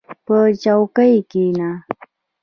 • په چوکۍ کښېنه.